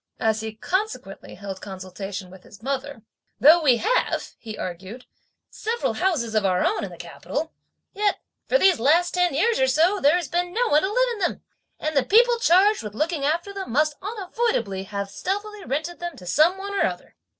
As he consequently held consultation with his mother; "Though we have," he argued, "several houses of our own in the capital, yet for these last ten years or so, there has been no one to live in them, and the people charged with the looking after them must unavoidably have stealthily rented them to some one or other.